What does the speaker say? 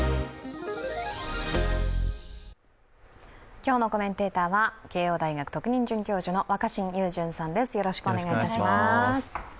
今日のコメンテーターは慶応大学特任准教授の若新雄純さんです、よろしくお願いします。